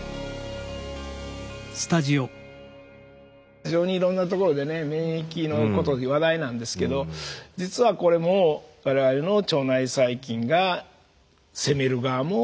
非常にいろんなところでね免疫のこと話題なんですけど実はこれも我々の腸内細菌が攻める側も守る側も腸内細菌が指示してると。